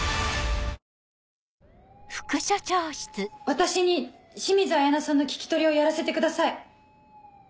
私に清水彩菜さんの聞き取りをやらせてください。